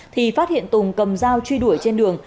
thì phát hiện tùng cầm dao truy đuổi trên đường